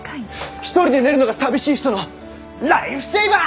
一人で寝るのが寂しい人のライフセーバー！